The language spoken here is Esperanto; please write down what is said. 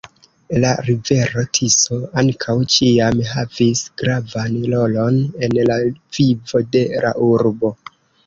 La rivero Tiso ankaŭ ĉiam havis gravan rolon en la vivo de la urbo.